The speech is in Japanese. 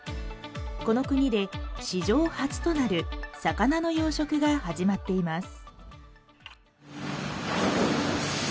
この国で史上初となる魚の養殖が始まっています